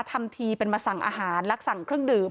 ทำทีเป็นมาสั่งอาหารและสั่งเครื่องดื่ม